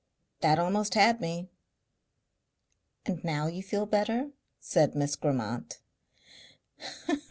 "That almost had me.... "And now you feel better?" said Miss Grammont.